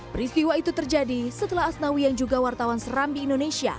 peristiwa itu terjadi setelah asnawi yang juga wartawan serambi indonesia